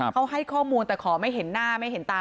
เขาให้ข้อมูลแต่ขอไม่เห็นหน้าไม่เห็นตา